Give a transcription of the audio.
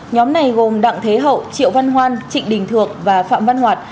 nhóm này gồm đặng thế hậu triệu văn hoan trịnh đình thượng và phạm văn hoạt